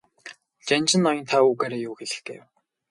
Жанжин ноён та үүгээрээ юу хэлэх гээв?